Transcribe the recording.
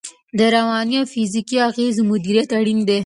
د رواني او فزیکي اغېزو مدیریت اړین دی.